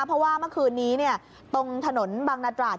เพราะว่าเมื่อคืนนี้เนี่ยตรงถนนบางนัดหลาด